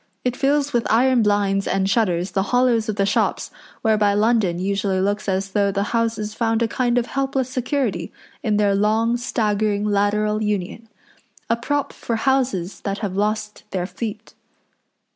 It fills with iron blinds and shutters the hollows of the shops whereby London usually looks as though the houses found a kind of helpless security in their long, staggering, lateral union, a prop for houses that have lost their feet.